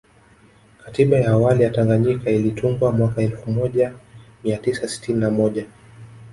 Katiba ya awali ya Tanganyika ilitungwa mwaka elfu moja mia tisa sitini na moja